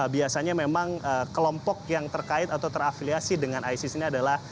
biasanya memang kelompok yang terkait atau terafiliasi dengan isis ini adalah